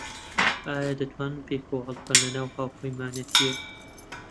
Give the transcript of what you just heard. ئایا دەتوانن پێکەوە هەڵبکەن لەناو هاوپەیمانێتییەک؟